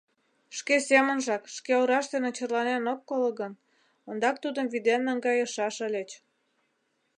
Шке семынжак, шке ораж дене черланен ок коло гын, ондак тудым вӱден наҥгайышаш ыльыч.